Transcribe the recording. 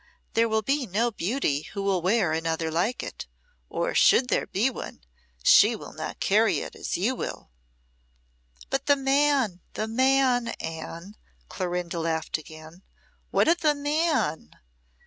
"There will be no beauty who will wear another like it; or should there be one, she will not carry it as you will." "But the man the man, Anne," Clorinda laughed again. "What of the man?"